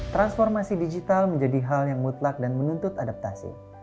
transformasi digital menjadi hal yang mutlak dan menuntut adaptasi